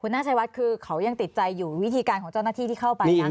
คุณหน้าชายวัดคือเขายังติดใจอยู่วิธีการของเจ้านาฏิที่เข้าไปอย่าง